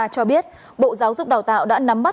cho biết bộ giáo dục đào tạo đã nắm bắt